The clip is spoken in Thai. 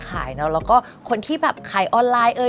แล้วก็คนที่แบบขายออนไลน์เอ่ย